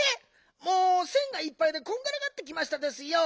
もうせんがいっぱいでこんがらがってきましたですよ。